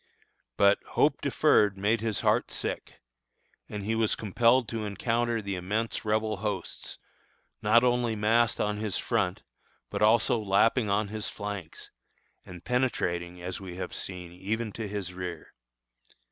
But "hope deferred made his heart sick," and he was compelled to encounter the immense Rebel hosts, not only massed on his front, but also lapping on his flanks, and penetrating, as we have seen, even to his rear.